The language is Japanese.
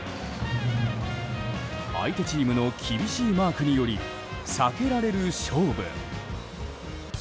相手チームの厳しいマークにより避けられる勝負。